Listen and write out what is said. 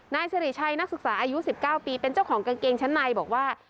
นายสิริชัยนักศึกษาอายุ๑๙ปีเป็นเจ้าของกางเกงชั้นในบอกว่า